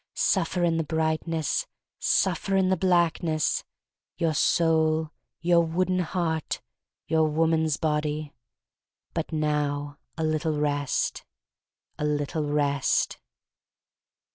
Suffer in the brightness, suffer in the black ness — ^your soul, your wooden heart, your woman's body. But now a little rest — a little rest."